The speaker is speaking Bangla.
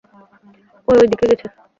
ও ঐদিকে গেছে!